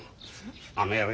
あの野郎